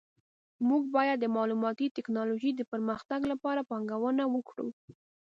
موږ باید د معلوماتي ټکنالوژۍ د پرمختګ لپاره پانګونه وکړو